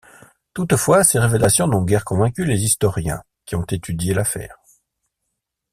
Toutefois, ces révélations n'ont guère convaincu les historiens qui ont étudié l'affaire.